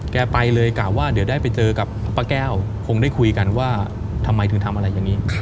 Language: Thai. ไปเลยกะว่าเดี๋ยวได้ไปเจอกับป้าแก้วคงได้คุยกันว่าทำไมถึงทำอะไรอย่างนี้